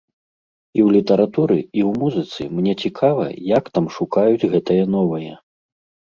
І ў літаратуры, і ў музыцы мне цікава, як там шукаюць гэтае новае.